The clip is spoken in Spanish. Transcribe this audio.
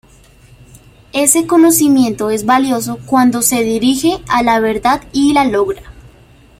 Ese conocimiento es valioso cuando se dirige a la verdad y la logra.